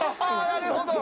なるほど。